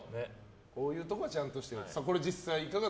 こういうところはちゃんとしてると。